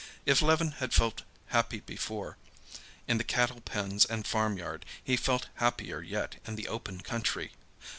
If Levin had felt happy before in the cattle pens and farmyard, he felt happier yet in the open country.